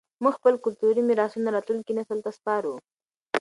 موږ خپل کلتوري میراثونه راتلونکي نسل ته سپارو.